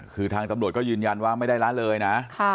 คือทางตำรวจก็ยืนยันว่าไม่ได้หรืออะไรน่ะ